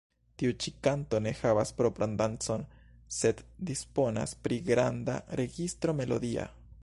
Tiu ĉi kanto ne havas propran dancon, sed disponas pri granda registro melodia.